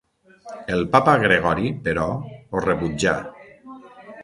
El papa Gregori, però, ho rebutjà.